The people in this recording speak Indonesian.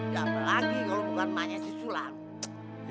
siapa lagi kalo bukan emaknya si sulang